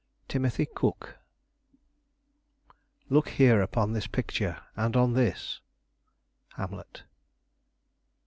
TIMOTHY COOK "Look here upon this picture and on this." Hamlet.